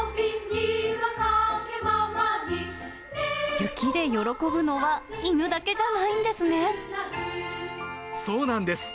雪で喜ぶのは犬だけじゃないそうなんです。